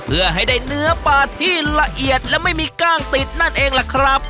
เพื่อให้ได้เนื้อปลาที่ละเอียดและไม่มีกล้างติดนั่นเองล่ะครับ